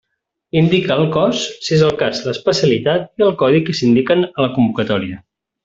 Indique el Cos, si és el cas l'Especialitat, i el Codi que s'indiquen en la convocatòria.